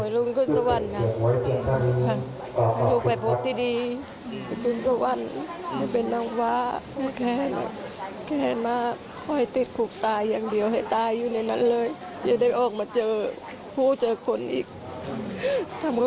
ลูกแม่ไม่ต้องร่วมกวนตายลูก